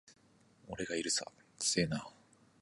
俺がいるさ。